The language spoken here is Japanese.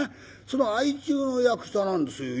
その相中の役者なんですよ